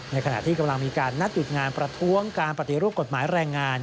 ขณะที่กำลังมีการนัดหยุดงานประท้วงการปฏิรูปกฎหมายแรงงาน